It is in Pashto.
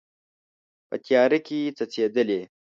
په تیاره کې څڅیدلې